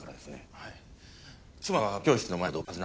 はい。